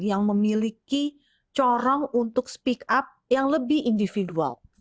yang memiliki corong untuk speak up yang lebih individual